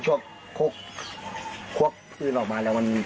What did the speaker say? ช่วงควบคืนออกมาแล้วมัน